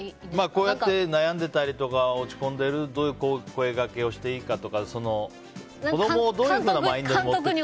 こうやって悩んでたりとか落ち込んでてどういう声掛けをしていいかとか子供をどういうふうに。